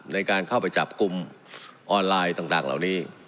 ในการเข้าไปจับกลุ่มออนไลน์ต่างเหล่านี้